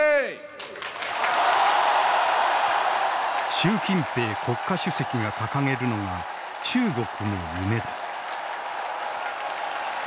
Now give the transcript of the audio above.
習近平国家主席が掲げるのが「中国の夢」だ。